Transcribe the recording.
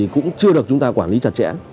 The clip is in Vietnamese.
cũng chưa được chúng ta quản lý chặt chẽ